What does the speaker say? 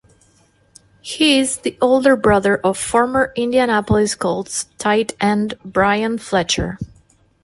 He is the older brother of former Indianapolis Colts tight end Bryan Fletcher.